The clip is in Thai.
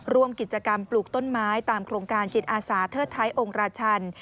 ร่วมกิจกรรมปลูกต้นไม้ตามโครงการจิตอาสาเทิดท้ายองค์ราชัน